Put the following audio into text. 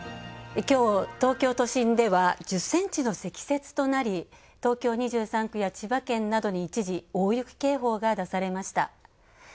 きょう、東京都心では１０ｃｍの積雪となり東京２３区や千葉県などに、一時、大雪警報が出されました。